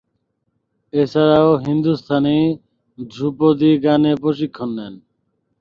এছাড়াও, হিন্দুস্তানী ধ্রুপদী গানে প্রশিক্ষণ নেন।